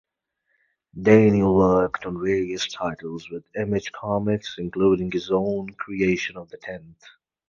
Daniel worked on various titles with Image Comics including his own creation The Tenth.